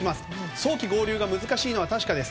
早期合流が難しいのは確かです。